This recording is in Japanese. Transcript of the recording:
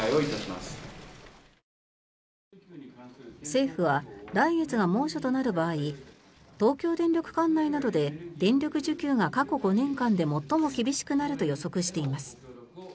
政府は来月が猛暑となる場合東京電力管内などで電力需給が過去５年間で最も厳しくなると予測しています。